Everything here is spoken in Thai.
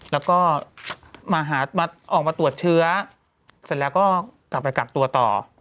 แล้วก็ออกมาตรวจเชื้อเสร็จแล้วก็กลับไปกักตัวต่อ